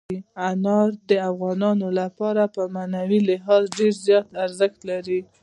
انار د افغانانو لپاره په معنوي لحاظ ډېر زیات ارزښت لري.